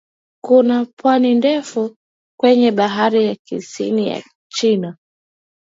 Kuna pwani ndefu kwenye Bahari ya Kusini ya China